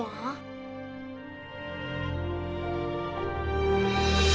eyang minum dulu ya